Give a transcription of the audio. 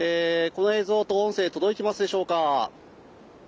この映像と音声届いてますでしょうか？